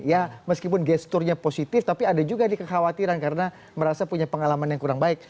ya meskipun gesturnya positif tapi ada juga nih kekhawatiran karena merasa punya pengalaman yang kurang baik